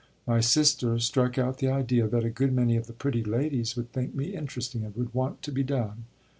My sister struck out the idea that a good many of the pretty ladies would think me interesting and would want to be done.